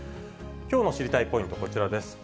きょうの知りたいポイント、こちらです。